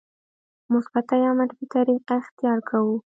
مثبته یا منفي طریقه اختیار کوو.